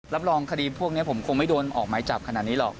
รับรองคดีพวกนี้ผมคงไม่โดนออกไม้จับขนาดนี้หรอก